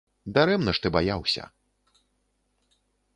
Дарэмна ж ты баяўся.